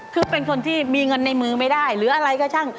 คือเป็นคนที่มีเงินในมือไม่ได้หรืออะไรก็ช่าง